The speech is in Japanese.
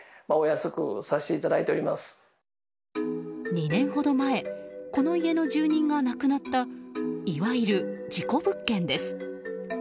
２年ほど前この家の住人が亡くなったいわゆる事故物件です。